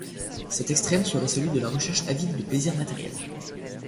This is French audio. Cet extrême serait celui de la recherche avide de plaisirs matériels.